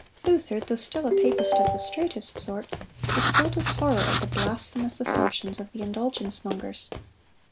Luther, though still a papist of the straitest sort, was filled with horror at the blasphemous assumptions of the indulgence mongers.